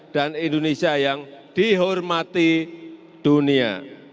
indonesia yang dihormati dunia